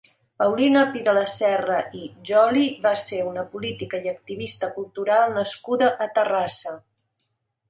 Paulina Pi de la Serra i Joly va ser una política i activista cultural nascuda a Terrassa.